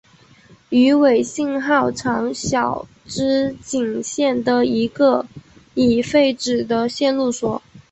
羽尾信号场筱之井线的一个已废止的线路所。